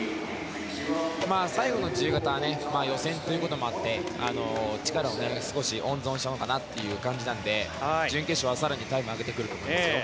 最後の自由形はね予選ということもあって力を少し温存したのかなという感じなので準決勝は更にタイムを上げてくると思います。